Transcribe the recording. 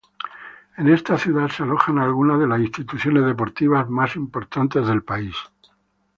En esta ciudad se alojan algunas de las instituciones deportivas más importantes del país.